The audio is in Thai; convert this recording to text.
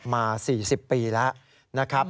มา๔๐ปีแล้วนะครับ